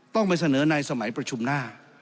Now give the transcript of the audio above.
ต้องไปเสนอในสมัยประชุมหน้า